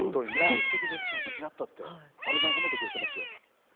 すてきだったって阿部さん褒めてくれてますよ。